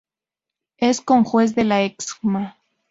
Es conjuez de la Excma.